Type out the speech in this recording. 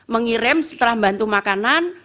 mengirim setelah bantu makanan